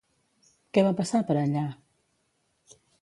Què va passar per allà?